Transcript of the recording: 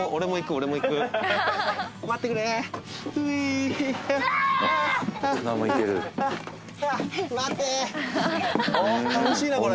おっ楽しいなこれ。